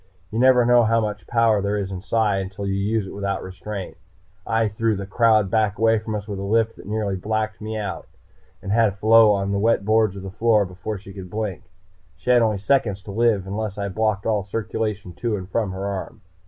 You never know how much power there is in Psi until you use it without restraint. I threw the crowd back away from us with a lift that nearly blacked me out, and had Pheola on the wet boards of the floor before she could blink. She had only seconds to live unless I blocked all circulation to and from her arm.